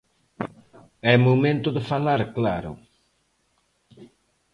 É momento de falar claro.